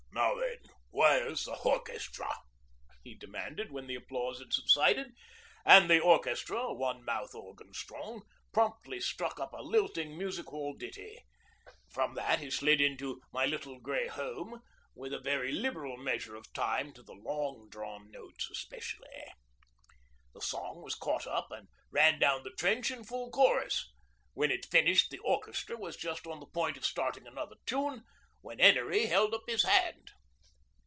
'Now then, where's the orchestra?' he demanded when the applause had subsided, and the orchestra, one mouth organ strong, promptly struck up a lilting music hall ditty. From that he slid into 'My Little Grey Home,' with a very liberal measure of time to the long drawn notes especially. The song was caught up and ran down the trench in full chorus. When it finished the orchestra was just on the point of starting another tune, when 'Enery held up his hand.